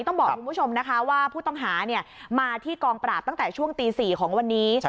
ต้องบอกคุณผู้ชมนะคะว่าผู้ต้องหามาที่กองปราบตั้งแต่ช่วงตี๔ของวันนี้